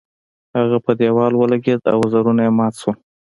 هغه په دیوال ولګیده او وزرونه یې مات شول.